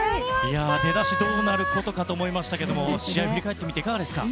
出だし、どうなることかと思いましたが試合を振り返ってみていかがですか？